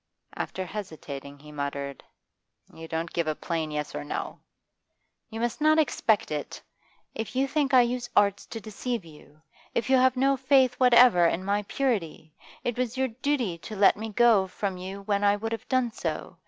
After hesitating he muttered: 'You don't give a plain yes or no.' 'You must not expect it. If you think I use arts to deceive you if you have no faith whatever in my purity it was your duty to let me go from you when I would have done so.